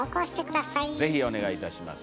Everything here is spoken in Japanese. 是非お願いいたします。